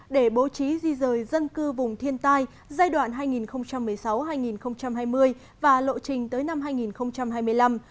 để bố trí di rời dân cư vùng thiên tai giai đoạn hai nghìn một mươi sáu hai nghìn hai mươi và lộ trình tới năm hai nghìn hai mươi năm